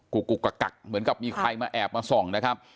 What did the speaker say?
กุกกักเหมือนกับมีใครมาแอบมาส่องนะครับ